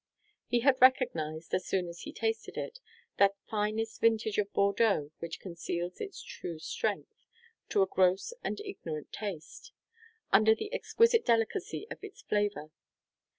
He had recognised, as soon as he tasted it, that finest vintage of Bordeaux, which conceals its true strength to a gross and ignorant taste under the exquisite delicacy of its flavour.